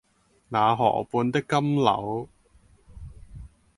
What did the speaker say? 那河畔的金柳